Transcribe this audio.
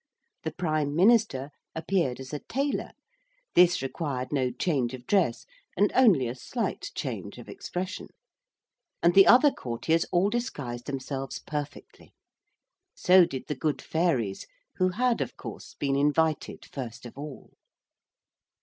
The Prime Minister appeared as a tailor; this required no change of dress and only a slight change of expression. And the other courtiers all disguised themselves perfectly. So did the good fairies, who had, of course, been invited first of all.